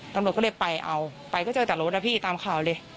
ตำรวจก็เลยไปเอาไปก็เจอแต่รถนะพี่ตามข่าวเลย